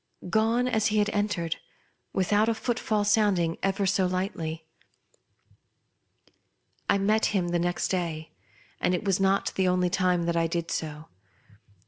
Gone as he had entered, without a footfall sounding ever so lightly. I met him the next day, and it was not the only time that I did so.